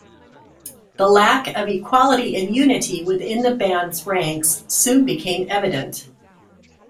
The lack of equality and unity within the band's ranks soon became evident.